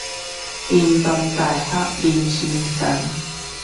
屏東大學民生站